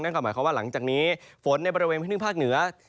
หมายความว่าหลังจากนี้ฝนในบริเวณพื้นที่ภาคเหนือ